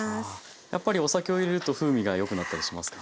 やっぱりお酒を入れると風味がよくなったりしますか？